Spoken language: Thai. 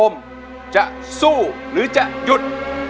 จะสู้หรือจะหยุด